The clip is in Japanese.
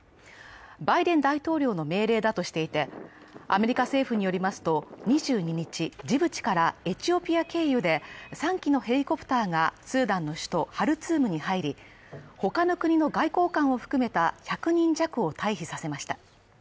バイデン大統領の命令だとしていて、アメリカ政府によりますと２２日、ジブチからエチオピア軽油で３機のヘリコプターがスーダンの首都ハルツームに入り、他の国の外交官を含めた１００人弱を退避させました。